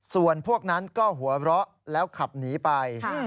ส่วนพวกนั้นก็หัวเราะแล้วขับหนีไป